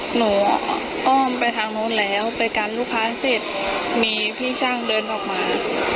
หนูอ้อมไปทางนู้นแล้วไปกันลูกค้าเสร็จมีพี่ช่างเดินออกมา